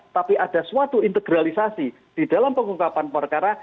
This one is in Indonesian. tapi ada suatu integralisasi di dalam pengungkapan perkara